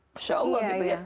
masya allah gitu ya